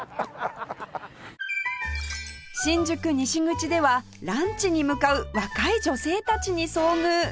新宿西口ではランチに向かう若い女性たちに遭遇